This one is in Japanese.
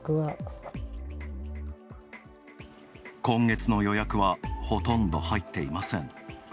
今月の予約はほとんど入っていません。